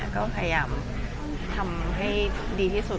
ก็พยายามทำให้ดีที่สุด